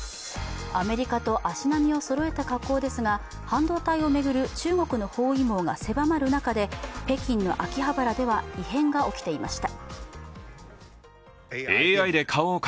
アメリカと足並みをそろえた格好ですが、半導体を巡る中国の包囲網が狭まる中で、北京の秋葉原では異変が起きていました。